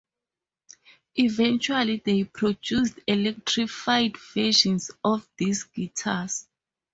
Eventually they produced electrified versions of these guitars.